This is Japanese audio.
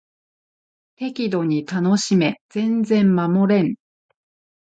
適度に楽しめ全然守れん